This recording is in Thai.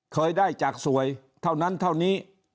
เคยได้จากสวยเท่านั้นเท่านี้